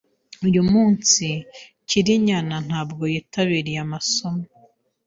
Uyu munsi, Cyrinyana ntabwo yitabiriye amasomo.